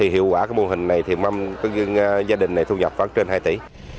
hiệu quả mô hình này gia đình này thu nhập khoảng trên hai tỷ